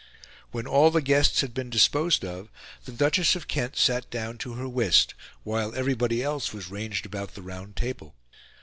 When all the guests had been disposed of, the Duchess of Kent sat down to her whist, while everybody else was ranged about the round table.